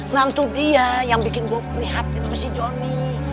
nanti dia yang bikin gue prihatin sama si johnny